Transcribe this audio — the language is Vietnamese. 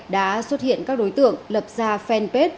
đã xuất hiện các đối tượng lập ra fanpage